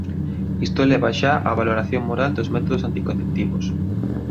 Isto leva xa á valoración moral dos métodos anticonceptivos.